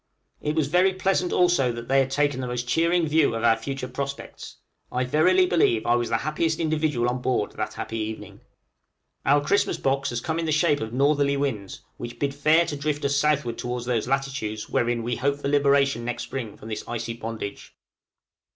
It was very pleasant also that they had taken the most cheering view of our future prospects. I verily believe I was the happiest individual on board, that happy evening. Our Christmas box has come in the shape of northerly winds, which bid fair to drift us southward towards those latitudes wherein we hope for liberation next spring from this icy bondage.